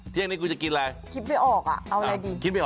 เที่ยงนี้คุณจะกินอะไร